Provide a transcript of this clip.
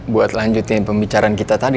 buat lanjutin pembicaraan kita tadi